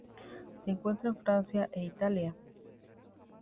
Se encuentra en Francia e Italia.